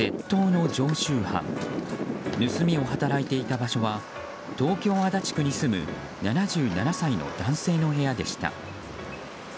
盗みを働いていた場所は東京・足立区に住む７７歳の男性の部屋でした。